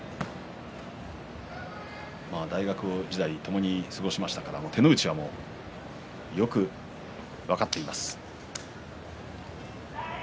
大学時代ともに過ごしましたから手の内はよく分かっています。